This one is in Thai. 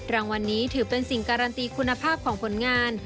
รางวัลนี้ถือเป็นสิ่งการันตีคุณภาพของผลงาน